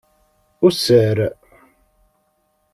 User.